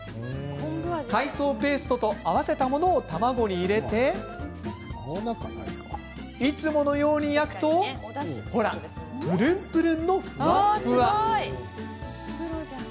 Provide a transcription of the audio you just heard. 海藻ペーストと合わせたものを卵に入れていつものように焼くとほら、ぷるんぷるんのふわふわ。